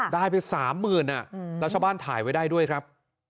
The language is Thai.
ได้ไปสามหมื่นอ่ะอืมราชบ้านถ่ายไว้ได้ด้วยครับ